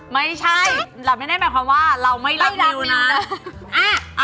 ไม่ใช่เราไม่ได้หมายความว่าเราไม่ไล่เรานะ